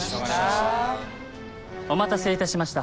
お待たせいたしました。